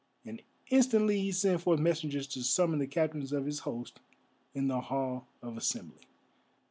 And instantly he sent forth messengers to summon the captains of his host in the Hall of Assembly.